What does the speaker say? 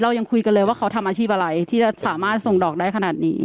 ยังคุยกันเลยว่าเขาทำอาชีพอะไรที่จะสามารถส่งดอกได้ขนาดนี้